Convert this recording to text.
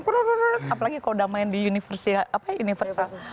apalagi kalau udah main di universal